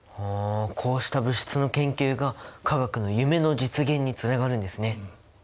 こうした物質の研究が化学の夢の実現につながるんですね。